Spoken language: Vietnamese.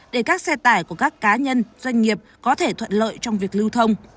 để các xe tải của các cá nhân doanh nghiệp có thể thuận lợi trong việc lưu thông